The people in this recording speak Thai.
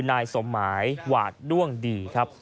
นายสมหมายหวาดด้วงดีครับ